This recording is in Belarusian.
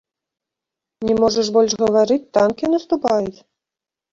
Не можаш больш гаварыць, танкі наступаюць?